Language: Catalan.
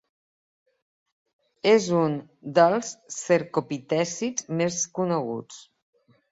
És un dels cercopitècids més coneguts.